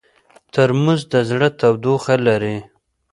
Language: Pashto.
ترموز د زړه تودوخه لري.